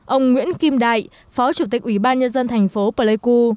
ông nguyễn kim đại phó chủ tịch ủy ban nhân dân thành phố pleiku